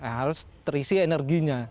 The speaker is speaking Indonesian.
harus terisi energinya